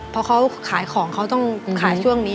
เพราะเขาขายของเขาต้องขายช่วงนี้